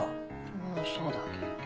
まぁそうだけど。